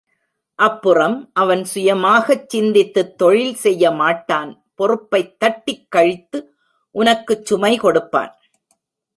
அப்புறம் அவன் சுயமாகச் சிந்தித்துத் தொழில் செய்யமாட்டான் பொறுப்பைத் தட்டிக் கழித்து உனக்குச் சுமை கொடுப்பான்.